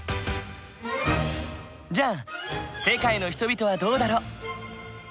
じゃあ世界の人々はどうだろう？